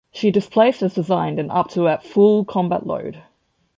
She displaced as designed and up to at full combat load.